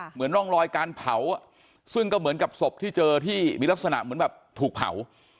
เหมือนร่องรอยการเผาซึ่งก็เหมือนกับศพที่เจอที่มีลักษณะเหมือนแบบถูกเผา